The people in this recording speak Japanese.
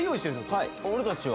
はい・俺たちは？